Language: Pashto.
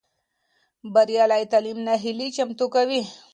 بریالی تعلیم ناهیلي ختموي.